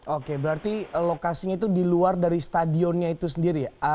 oke berarti lokasinya itu di luar dari stadionnya itu sendiri ya